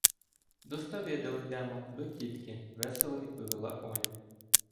— До Ставидел йдемо, до тітки, — весело відповіла Оля.